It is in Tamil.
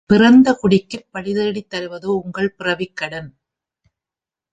பிறந்த குடிக்குப் பழி தேடித் தருவதோ உங்கள் பிறவிக் கடன்?